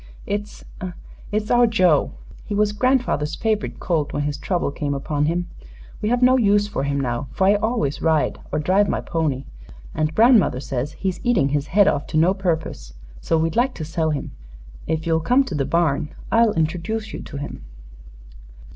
"It's it's our Joe. He was grandfather's favorite colt when his trouble came upon him. We have no use for him now, for I always ride or drive my pony. And grandmother says he's eating his head off to no purpose; so we'd like to sell him. If you will come to the barn I'll introduce you to him."